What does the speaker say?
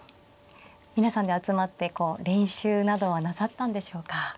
皆さんで集まってこう練習などはなさったんでしょうか。